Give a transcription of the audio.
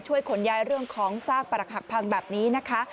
ขนย้ายเรื่องของซากปรักหักพังแบบนี้นะคะ